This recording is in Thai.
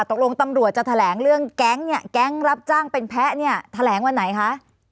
ตำรวจจะแถลงเรื่องแก๊งเนี่ยแก๊งรับจ้างเป็นแพ้เนี่ยแถลงวันไหนคะ